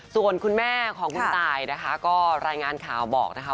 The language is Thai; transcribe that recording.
ส่วนคุณแม่ของคุณตายนะคะก็รายงานข่าวบอกนะคะ